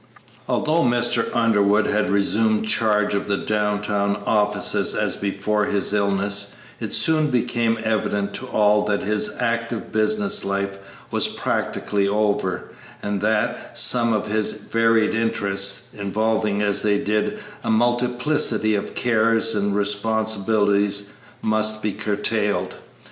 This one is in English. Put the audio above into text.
Although Mr. Underwood had resumed charge of the downtown offices as before his illness, it soon became evident to all that his active business life was practically over, and that some of his varied interests, involving as they did a multiplicity of cares and responsibilities, must be curtailed.